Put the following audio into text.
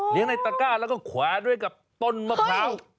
อ๋อเลี้ยงในตะกร้าแล้วก็ขวาด้วยกับต้นมะพร้าว